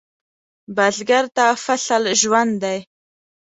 بزګر ته فصل ژوند دی